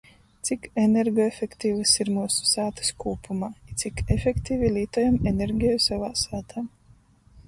Cik energoefektivys ir myusu sātys kūpumā i cik efektivi lītojam energeju sovā sātā?